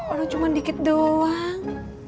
aduh cuma dikit doang